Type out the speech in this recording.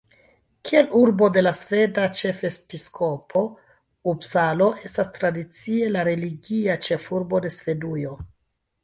Kiel urbo de la sveda ĉefepiskopo, Upsalo estas tradicie la religia ĉefurbo de Svedujo.